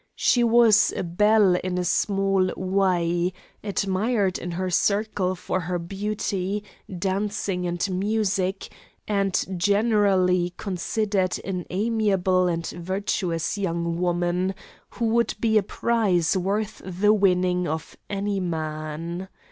She was a belle in a small way; admired in her circle for her beauty, dancing, and music, and generally considered an amiable and virtuous young woman, who would be a prize worth the winning of any man.